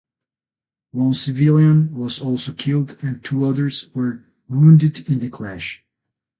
One civilian was also killed and two others were wounded in the clash.